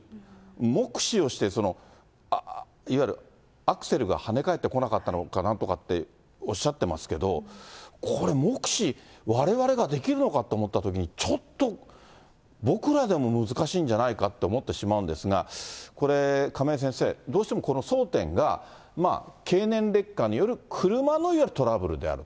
目視をして、いわゆるアクセルがはね返ってこなかったのかなんとかっておっしゃってますけど、これ、目視、われわれができるのかって思ったときに、ちょっと、僕らでも難しいんじゃないかと思ってしまうんですが、これ、亀井先生、どうしてもこの争点が、経年劣化による車のいわゆるトラブルである。